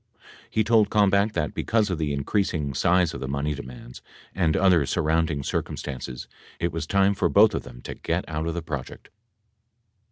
He told Kalmbach that, because of the increasing size of the money demands and other surrounding circumstances, it was time for both of them to get out of the project.